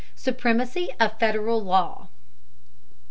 SUPREMACY OF FEDERAL LAW.